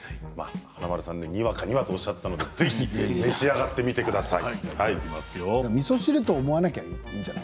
華丸さん、にわかにはとおっしゃっていたのでぜひ召し上がってみてください。